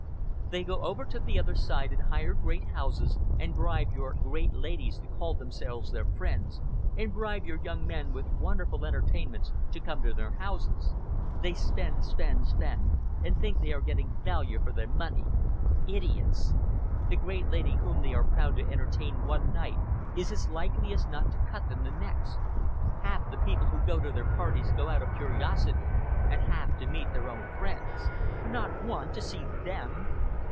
They go over the other side and hire great houses, and bribe your great ladies to call themselves their friends, and bribe your young men with wonderful entertainments to come to their houses. They spend, spend, spend, and think they are getting value for their money. Idiots! The great lady whom they are proud to entertain one night is as likely as not to cut them the next. Half the people who go to their parties go out of curiosity, and half to meet their own friends. Not one to see them!